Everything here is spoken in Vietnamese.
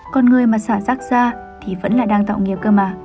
còn người mà xả rác ra thì vẫn là đang tạo nghiệp cơ mà